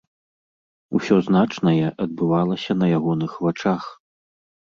Усё значнае адбывалася на ягоных вачах.